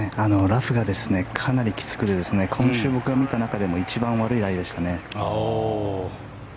ラフがかなりきつくて今週、僕が見た中でも一番悪いライでしたね。